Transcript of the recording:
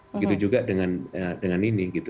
begitu juga dengan ini